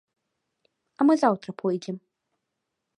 А мы заўтра пойдзем.